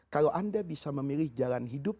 kalau anda bisa memilih jalan hidup